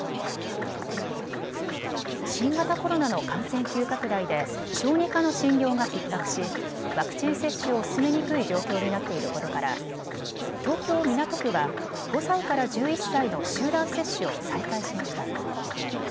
新型コロナの感染急拡大で小児科の診療がひっ迫しワクチン接種を進めにくい状況になっていることから東京港区は５歳から１１歳の集団接種を再開しました。